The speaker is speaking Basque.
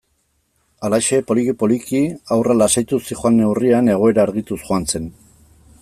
Halaxe, poliki-poliki haurra lasaituz zihoan neurrian, egoera argituz joan zen.